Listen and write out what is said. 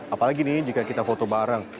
apalagi nih jika kita foto bareng